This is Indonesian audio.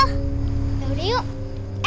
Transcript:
udah udah yuk